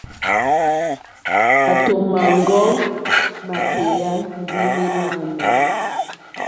Máàtò mâŋɡɔ́ mátéyà ndí né máǃámɛ̀.